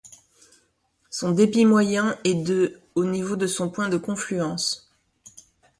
Son débit moyen est de au niveau de son point de confluence.